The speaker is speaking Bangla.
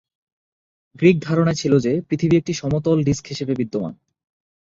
গ্রীক ধারণায় ছিল যে পৃথিবী একটি সমতল ডিস্ক হিসাবে বিদ্যমান।